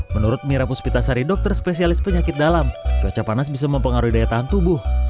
menurut mira puspitasari dokter spesialis penyakit dalam cuaca panas bisa mempengaruhi daya tahan tubuh